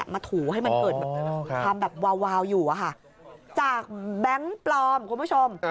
ถูให้มันเกิดแบบความแบบวาวอยู่จากแบงค์ปลอมคุณผู้ชม